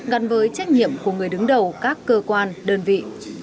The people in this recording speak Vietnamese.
gắn với trách nhiệm của người đứng đầu các cơ quan đơn vị